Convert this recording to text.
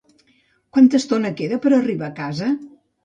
Quanta estona queda per arribar a casa?